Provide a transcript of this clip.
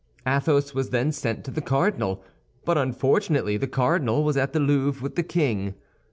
Athos was then sent to the cardinal; but unfortunately the cardinal was at the Louvre with the king.